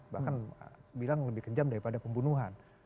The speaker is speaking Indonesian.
bahkan bilang lebih kejam daripada pembunuhan